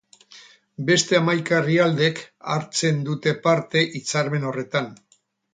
Beste hamaika herrialdek hartzen dute parte hitzarmen horretan.